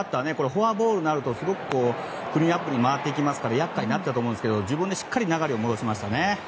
フォアボールになるとクリーンアップに回っていきますから厄介になったと思うんですが自分で流れを戻しましたね。